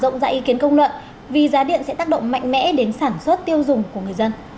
rộng rãi ý kiến công luận vì giá điện sẽ tác động mạnh mẽ đến sản xuất tiêu dùng của người dân